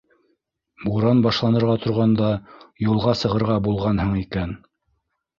Буран башланырға торғанда юлға сығырға булғанһың икән...